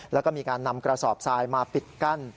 แล้วก็มีการนำกระสอบทรายมาปิดกั้น